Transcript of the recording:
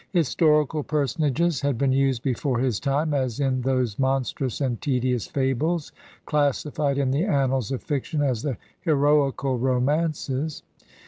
Historical personages had been used before his time, as in those monstrous and tedious fables classified in the annals of fiction as the heroical romances.